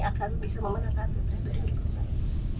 akan bisa memenangkan retur ini